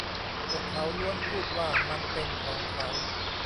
พวกเขาล้วนพูดว่ามันเป็นของเขา